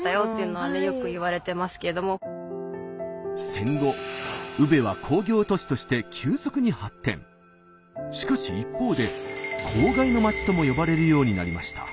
戦後宇部はしかし一方で「公害の街」とも呼ばれるようになりました。